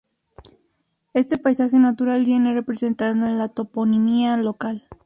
Este paisaje natural viene representado en la toponimia local.